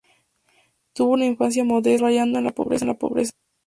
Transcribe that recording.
Tuvo una infancia modesta, rayando en la pobreza.